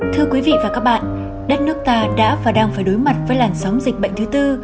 thưa quý vị và các bạn đất nước ta đã và đang phải đối mặt với làn sóng dịch bệnh thứ tư